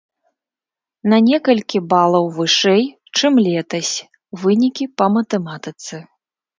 На некалькі балаў вышэй, чым летась, вынікі па матэматыцы.